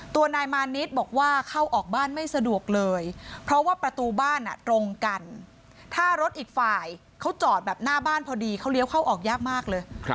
ตัวนายมานิดบอกว่าเข้าออกบ้านไม่สะดวกเลยเพราะว่าประตูบ้านตรงกันถ้ารถอีกฝ่ายเขาจอดแบบหน้าบ้านพอดีเขาเลี้ยวเข้าออกยากมากเลย